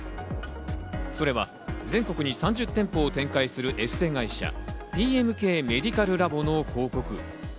それは全国に３０店舗を展開するエステ会社、ＰＭＫメディカルラボの広告。